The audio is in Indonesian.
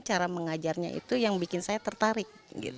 cara mengajarnya itu yang bikin saya tertarik